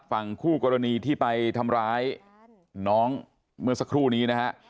ฝั่งคู่กรณีที่ไปทำร้ายน้องเมื่อสักครู่นี้นะฮะ